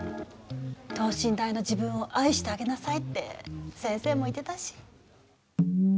等身大の自分を愛してあげなさいって先生も言ってたし。